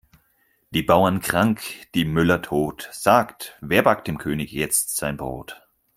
Die Bauern krank, die Müller tot, sagt wer backt dem König jetzt sein Brot?